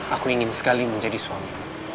aku ingin sekali menjadi suami